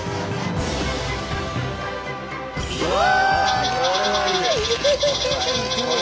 うわ！